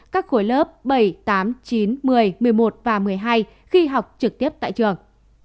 các khối lớp bảy tám chín một mươi một mươi một và một mươi hai khi học trực tiếp tại trường